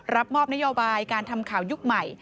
รับมอบนโยบายการทำข่าวยุคใหม่